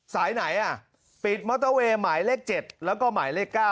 สายไหนปิดมอเตอร์เวย์หมายเลข๗แล้วก็หมายเลข๙